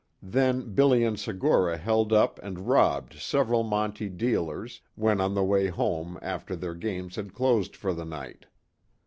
Then Billy and Segura held up and robbed several monte dealers, when on the way home after their games had closed for the night.